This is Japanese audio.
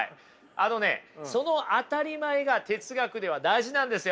あのねその当たり前が哲学では大事なんですよ。